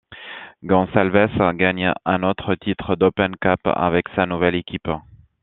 Gonsalves gagne un autre titre d'Open Cup avec sa nouvelle équipe.